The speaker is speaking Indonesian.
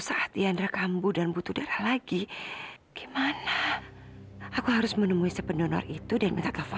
saya benar benar nggak sengaja mendorong mbak didi